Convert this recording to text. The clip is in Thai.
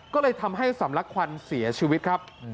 ก็เลยทำให้สำลักควันเสียชีวิตครับ